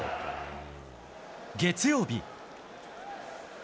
月曜日。